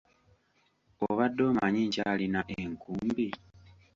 Obadde omanyi nkyalina enkumbi?